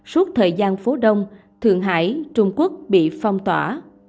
suốt thời gian phố đông thượng hải trung quốc bị phong tỏa